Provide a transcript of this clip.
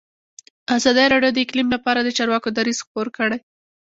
ازادي راډیو د اقلیم لپاره د چارواکو دریځ خپور کړی.